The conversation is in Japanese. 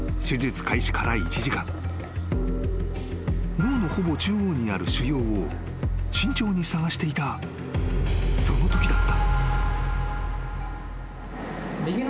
［脳のほぼ中央にある腫瘍を慎重に探していたそのときだった］